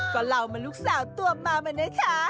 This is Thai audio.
ก็เล่ามาลูกสาวตัวมามานะคะ